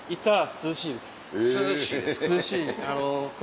涼しい。